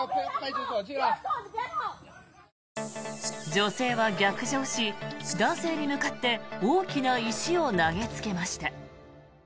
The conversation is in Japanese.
女性は逆上し男性に向かって大きな石を投げつけました。